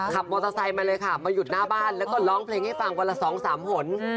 ขับมอเตอร์ไซค์มาเลยค่ะมาหยุดหน้าบ้านแล้วก็ร้องเพลงให้ฟังวันละ๒๓หน